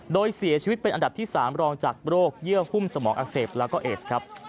โดยเสียชีวิตเป็นอันดับที่๓รองจากโรคเยื่อหุ้มสมองอักเสบแล้วก็เอสครับ